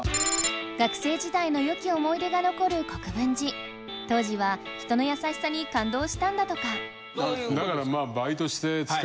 学生時代のよき思い出が残る国分寺当時は人の優しさに感動したんだとかどういうことですか？